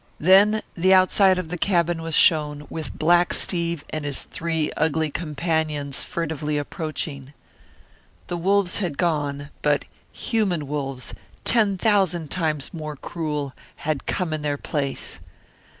Then the outside of the cabin was shown, with Black Steve and his three ugly companions furtively approaching. The wolves had gone, but human wolves, ten thousand times more cruel, had come in their place.